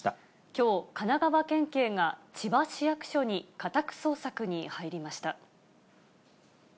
きょう、神奈川県警が千葉市役所に家宅捜索に入りました。